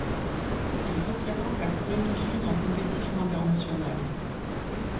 Il représente la Corée du Sud en compétition internationale.